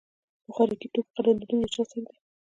د خوراکي توکو قراردادونه له چا سره دي؟